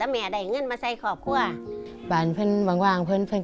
เมื่อเมื่อเมื่อเมื่อ